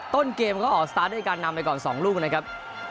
ต้นเกมก็ออกสตาร์ทด้วยการนำไปก่อน๒ลูกนะครับ